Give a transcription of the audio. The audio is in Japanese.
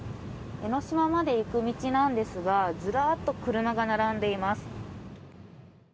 江の島まで行く道なんですがずらっと車が並んでいます。